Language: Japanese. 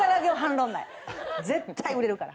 絶対売れるから。